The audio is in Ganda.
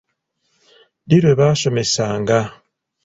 Ddi lwe baasomesanga?